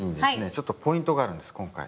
ちょっとポイントがあるんです今回。